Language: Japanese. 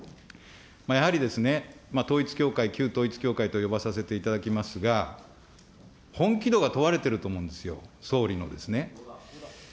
やはりですね、統一教会、旧統一教会と呼ばさせていただきますが、本気度が問われていると思うんですよ、総理のですね。